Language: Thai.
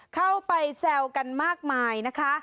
เข้าไปแซวกันมากมายนะคะ